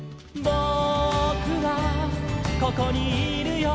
「ぼくはここにいるよ」